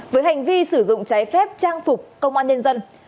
với hành vi sử dụng trái phép trang phục công an nhân dân